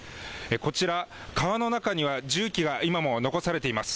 こちら、川の中には重機が今も残されています。